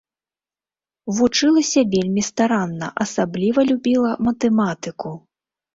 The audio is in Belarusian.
Вучылася вельмі старанна, асабліва любіла матэматыку.